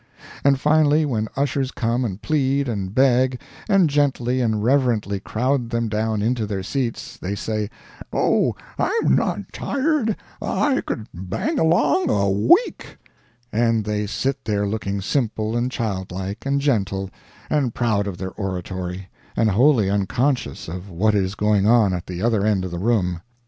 And finally when ushers come and plead, and beg, and gently and reverently crowd them down into their seats, they say, "Oh, I'm not tired I could bang along a week!" and they sit there looking simple and childlike, and gentle, and proud of their oratory, and wholly unconscious of what is going on at the other end of the room.